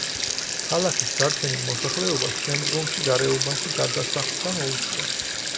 ქალაქის დარჩენილ მოსახლეობას შემდგომში გარეუბანში გადასახლდა მოუწია.